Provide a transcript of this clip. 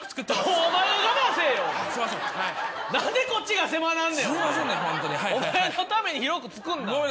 お前のために広く造んな。